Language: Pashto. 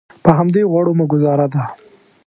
په همدې غوړو مو ګوزاره ده.